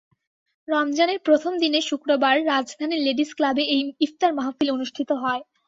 রমজানের প্রথম দিনে শুক্রবার রাজধানীর লেডিস ক্লাবে এই ইফতার মাহফিল অনুষ্ঠিত হয়।